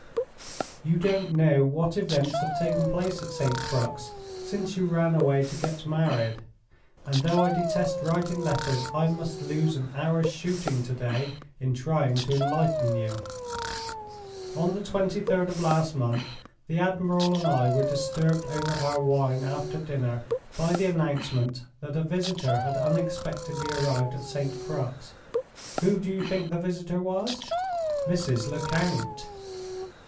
You don't know what events have taken place at St. Crux since you ran away to get married; and though I detest writing letters, I must lose an hour's shooting to day in trying to enlighten you. "On the twenty third of last month, the admiral and I were disturbed over our wine after dinner by the announcement that a visitor had unexpectedly arrived at St. Crux. Who do you think the visitor was? Mrs. Lecount!